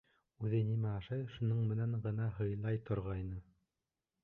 Үҙе нимә ашай, шуның менән генә һыйлай торғайны.